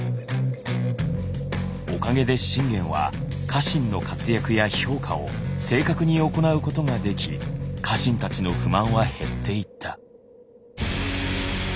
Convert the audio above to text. おかげで信玄は家臣の活躍や評価を正確に行うことができ家臣たちの不満は減っていった。